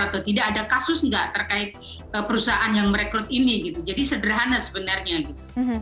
atau tidak ada kasus nggak terkait perusahaan yang merekrut ini gitu jadi sederhana sebenarnya gitu